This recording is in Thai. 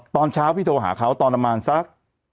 ตอนเช้าพี่โทรหาเขาตอนประมาณสัก